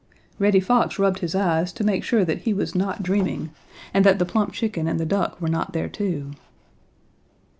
Reddy Fox rubbed his eyes to make sure that he was not dreaming and that the plump chicken and the duck were not there too.